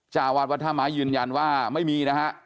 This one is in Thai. จาวัดวัฒนาหมายืนยันว่าไม่มีนะฮะ